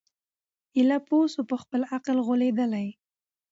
ایله پوه سو په خپل عقل غولیدلی